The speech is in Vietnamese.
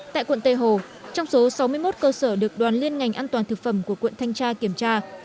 tại quận tây hồ trong số sáu mươi một cơ sở được đoàn liên ngành an toàn thực phẩm của quận thanh tra kiểm tra